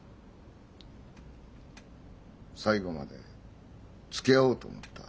最後までつきあおうと思った。